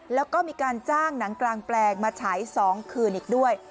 แล้วก็มีการจ้างหนังกลางแปลงมาฉาย๒คืนอีกด้วย